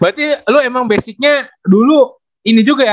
berarti lo emang basicnya dulu ini juga ya